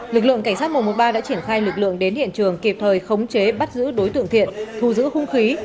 lực lượng cảnh sát một trăm một mươi ba đã triển khai lực lượng đến hiện trường kịp thời khống chế bắt giữ đối tượng thiện thu giữ hung khí